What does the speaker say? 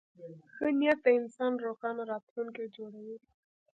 ښه نیت د انسان روښانه راتلونکی جوړوي.